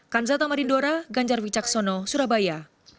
kanzata marindora ganjarvicaksono surabaya